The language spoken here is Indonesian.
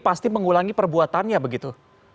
pasti mengulangi perbuatannya begitu